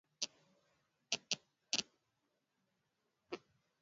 Rais Samia ameyataka Mashirika Yasiyo ya Kiserikali nchini kuongeza uwazi na uwajibikaji